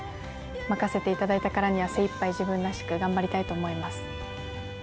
任せていただいたからには精いっぱい自分らしく頑張りたいと思います。